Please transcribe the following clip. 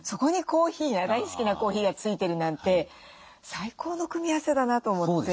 そこに大好きなコーヒーが付いてるなんて最高の組み合わせだなと思って。